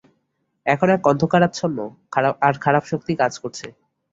এখানে এক অন্ধকারাচ্ছন্ন, আর খারাপ শক্তি কাজ করছে।